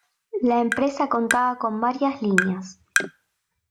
La empresa contaba con varias líneas.